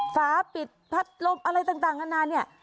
ฟ้าปิดพัดลบอะไรต่างกันนานนี่